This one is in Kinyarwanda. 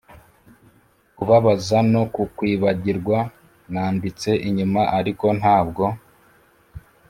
kubabaza no kukwibagirwa. nanditse inyuma ariko ntabwo